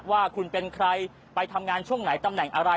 ว่าคุณเป็นใครไปทำงานช่วงไหนตำแหน่งอะไร